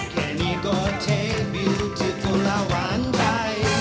แค่นี้ก็เทบิวที่กูละหวานใจ